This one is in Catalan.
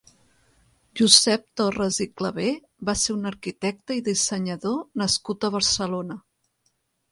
Josep Torres i Clavé va ser un arquitecte i dissenyador nascut a Barcelona.